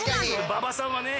馬場さんはね。